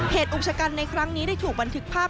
อุกชะกันในครั้งนี้ได้ถูกบันทึกภาพ